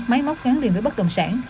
máy móc gắn liền với bất động sản